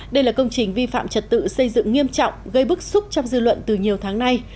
đây là công trình vi phạm trật tự xây dựng nghiêm trọng gây bức xúc trong dư luận từ nhiều tháng nay